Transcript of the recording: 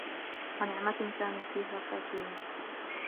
وَنَعمَةٍ كانوا فيها فاكِهينَ